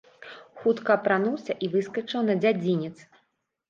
Хутка апрануўся і выскачыў на дзядзінец.